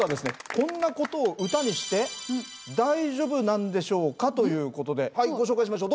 こんなことを歌にして大丈夫なんでしょうか？ということでご紹介しましょう。